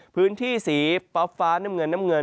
พื้นที่สีฟ้าน้ำเงินน้ำเงิน